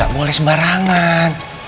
gak boleh sembarangan